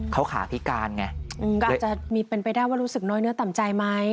เขาขาพิการไงก็อาจจะมีเป็นไปได้ว่ารู้สึกน้อยเนื้อต่ำใจไหม